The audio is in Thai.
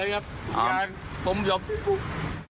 ก็ยังผมยอมติดคุก